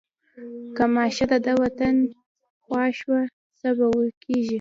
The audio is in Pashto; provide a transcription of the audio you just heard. که ماشه د ده د وطن خوا شوه څه به کېږي.